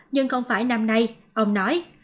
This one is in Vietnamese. nhưng không phải năm nay ông nói